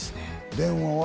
電話は？